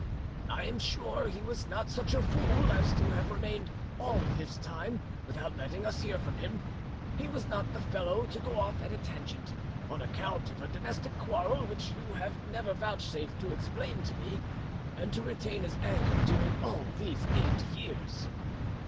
I am sure he was not such a fool as to have remained all this time without letting us hear from him. He was not the fellow to go off at a tangent, on account of a domestic quarrel which you have never vouchsafed to explain to me, and to retain his anger during all these eight years!